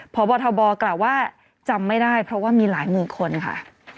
พบทบกล่าวว่าจำไม่ได้เพราะว่ามีหลายหมื่นคนค่ะ